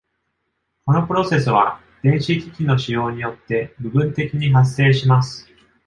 このプロセスは、電子機器の使用によって部分的に発生します。